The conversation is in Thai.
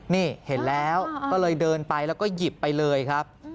นี่เห็นแล้วก็เลยเดินไปแล้วก็หยิบไปเลยครับ